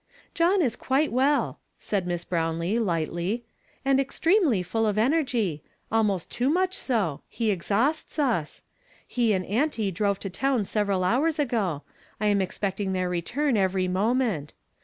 "John is quite well," said Miss Brownlee, lightly, "and extremely full of energy; almost too much so; he exhausts us. He and auntie drove to town several hours ago ; I am expecting their return every moment.